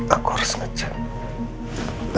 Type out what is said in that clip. aku harus ngecek